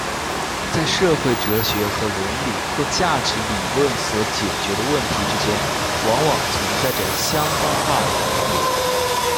在社会哲学和伦理或价值理论所解决的问题之间往往存在着相当大的重叠。